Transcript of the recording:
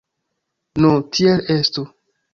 Nu, tiel estu.